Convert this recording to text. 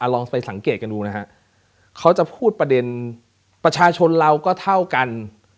ลองไปสังเกตกันดูนะฮะเขาจะพูดประเด็นประชาชนเราก็เท่ากัน